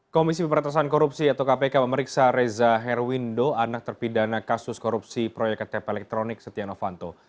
komisi pemberantasan korupsi atau kpk memeriksa reza herwindo anak terpidana kasus korupsi proyek ktp elektronik setia novanto